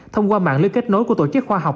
thông qua mạng lưới kết nối của tổ chức khoa học